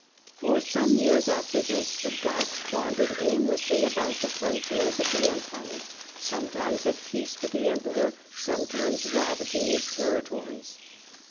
For some years after this the Goths wandered aimlessly about the frontiers of the Empire, sometimes at peace with the Emperor, sometimes ravag ing his territories.